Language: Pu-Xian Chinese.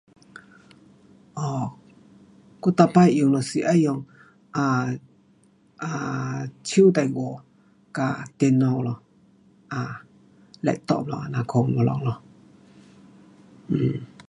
我每次用要用 [unintelligible] 和电脑 [laptop] 这个说我们